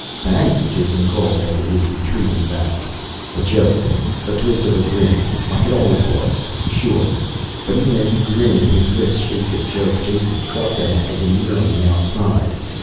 "Thanks," Jason called after his retreating back. A joke, a twist of a grin, like it always was. Sure. But even as he grinned and his lips shaped a joke, Jason felt them like a veneer on the outside.